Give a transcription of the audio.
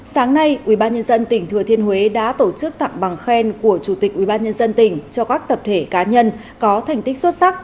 sáng nay ubnd tỉnh thừa thiên huế đã tổ chức tặng bằng khen của chủ tịch ubnd tỉnh cho các tập thể cá nhân có thành tích xuất sắc